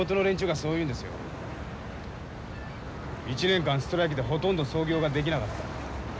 １年間ストライキでほとんど操業ができなかった。